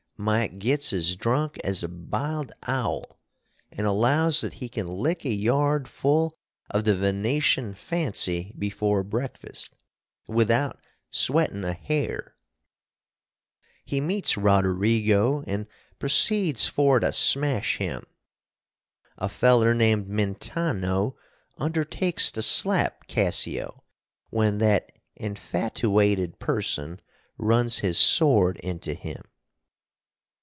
Mike gits as drunk as a biled owl & allows that he can lick a yard full of the Veneshun fancy before breakfast, without sweatin a hair. He meets Roderigo & proceeds for to smash him. A feller named Mentano undertakes to slap Cassio, when that infatooated person runs his sword into him.